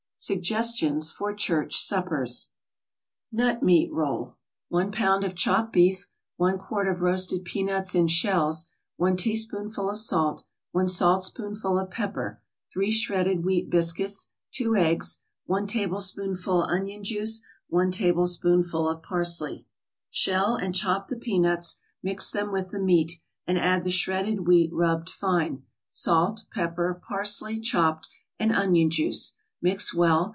SUGGESTIONS FOR CHURCH SUPPERS NUT MEAT ROLL 1 pound of chopped beef 1 quart of roasted peanuts in shells 1 teaspoonful of salt 1 saltspoonful of pepper 3 shredded wheat biscuits 2 eggs 1 tablespoonful onion juice 1 tablespoonful of parsley Shell and chop the peanuts, mix them with the meat, and add the shredded wheat rubbed fine; salt, pepper, parsley, chopped, and onion juice. Mix well.